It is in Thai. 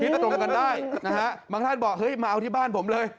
ตรงกันได้นะฮะบางท่านบอกเฮ้ยมาเอาที่บ้านผมเลย